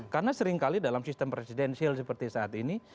karena seringkali dalam sistem presidensial seperti saat ini